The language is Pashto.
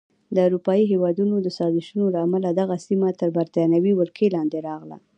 د اروپایي هېوادونو سازشونو له امله دغه سیمه تر بریتانوي ولکې لاندې راغله.